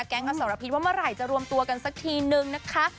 อสรพิษว่าเมื่อไหร่จะรวมตัวกันสักทีนึงนะคะ